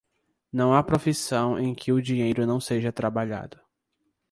Não há profissão em que o dinheiro não seja trabalhado.